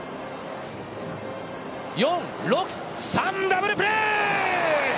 ４−６−３、ダブルプレー！